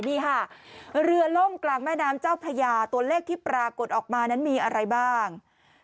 นี่ค่ะเรือล่มกลางแม่น้ำเจ้าพระยาตัวเลขที่ปรากฏออกมานั้นมีอะไรบ้าง